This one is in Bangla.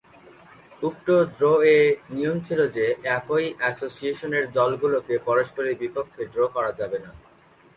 উক্ত ড্র-এ নিয়ম ছিল যে একই এসোসিয়েশনের দলগুলোকে পরস্পরের বিপক্ষে ড্র করা যাবে না।